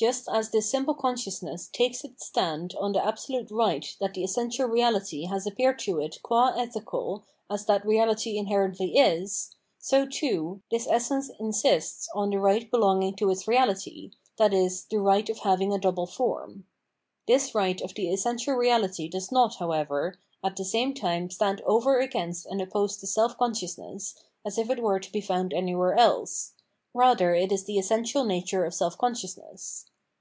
Just as this simple consciousness takes its stand on the absolute right that the essential reality has appeared to it gua ethical as that reality inherently is, so, too, this essence insists on the right belonging to its reality, i.e. the right of having a double form.*' This right of the essential reality does not, however, at , the same time stand over against and opposed to self consciousness, as if it were to be found anywhere else ; rather it is the essential nature of self consciousness.